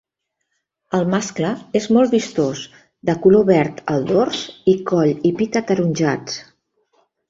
El mascle és molt vistós, de color verd al dors i coll i pit ataronjats.